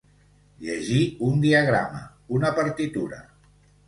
Llegir un diagrama, una partitura.